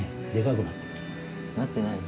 なってないよ。